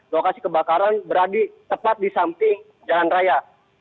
lokasi kebakaran berada tepat di samping jalan raya